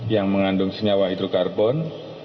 yang mengandung senyawa hidrokarbon